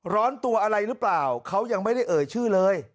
ร้อนตัวอะไรหรือเปล่าเขายังไม่ได้เอ่ยชื่อเลย